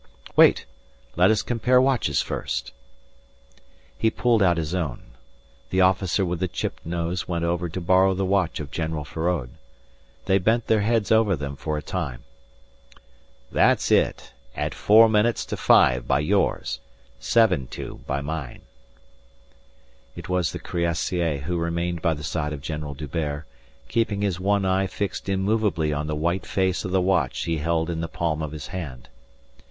"Wait! Let us compare watches first." He pulled out his own. The officer with the chipped nose went over to borrow the watch of General Feraud. They bent their heads over them for a time. "That's it. At four minutes to five by yours. Seven to, by mine." It was the cuirassier who remained by the side of General D'Hubert, keeping his one eye fixed immovably on the white face of the watch he held in the palm of his hand.